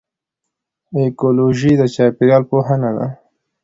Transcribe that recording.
ایکیولوژي د چاپیریال پوهنه ده